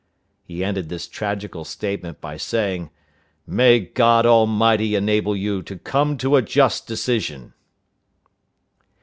He ended this tragical statement by saying, "May God Almighty enable you to come to a just decision!"